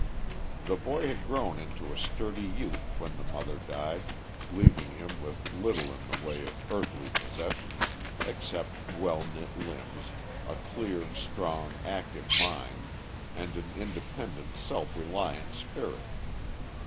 The boy had grown into a sturdy youth when the mother died, leaving him with little in the way of earthly possessions except well knit limbs, a clear, strong, active mind, and an independent, self reliant spirit.